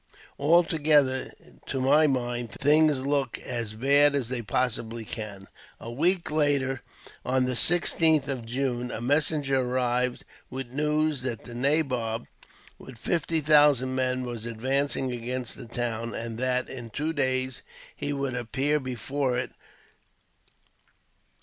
Altogether, to my mind, things look as bad as they possibly can." A week later, on the 15th of June, a messenger arrived with the news that the nabob, with fifty thousand men, was advancing against the town; and that, in two days, he would appear before it.